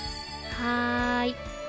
はい。